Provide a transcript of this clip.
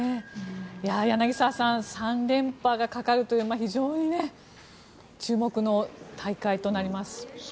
柳澤さん３連覇がかかるという非常に注目の大会となりますね。